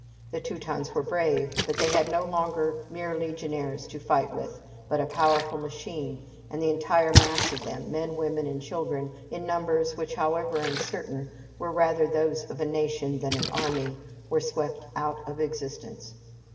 The Teutons were brave, but they had no longer mere legionaries to fight with, but a powerful machine, and the entire mass of them, men, women, and children, in numbers which, however uncertain, were rather those of a nation than an army, were swept out of existence.